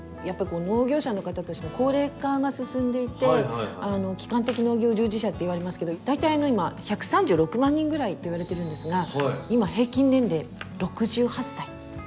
やっぱこう農業者の方たちの高齢化が進んでいて基幹的農業従事者って言われますけど大体今１３６万人ぐらいといわれてるんですが今平均年齢６８歳。